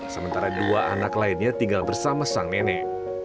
sementara dua anak lainnya tinggal bersama sang nenek